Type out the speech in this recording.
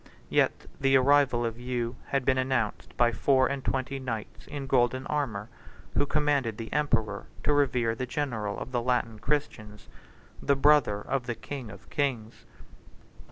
Yet the arrival of Hugh had been announced by four and twenty knights in golden armor, who commanded the emperor to revere the general of the Latin Christians, the brother of the king of kings.